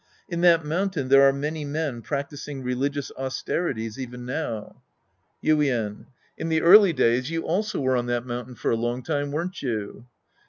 In that mountain there are many men irictising religious austerities even now. Yinen. In the early days you also were on that mountain for a long time, weren't you